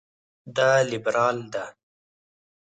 دا لېبرال ده.